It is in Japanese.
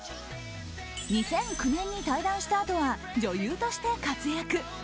２００９年に退団したあとは女優として活躍。